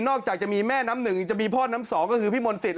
จากจะมีแม่น้ำหนึ่งจะมีพ่อน้ำสองก็คือพี่มนต์สิทธ